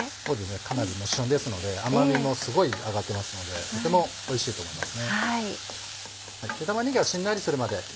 かなり旬ですので甘みもすごい上がってますのでとてもおいしいと思いますね。